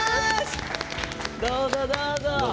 どうぞ、どうぞ。